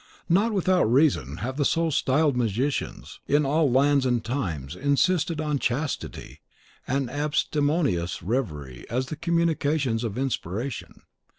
Not without reason have the so styled magicians, in all lands and times, insisted on chastity and abstemious reverie as the communicants of inspiration.